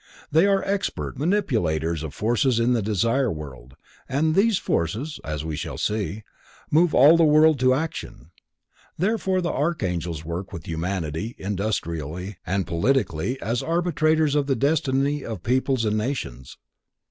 They are expert manipulators of forces in the Desire World, and these forces, as we shall see, move all the world to action. Therefore the Archangels work with humanity industrially and politically as arbitrators of the destiny of peoples and nations.